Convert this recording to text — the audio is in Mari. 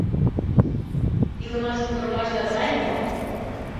Илымаш-кутырымашда сай мо?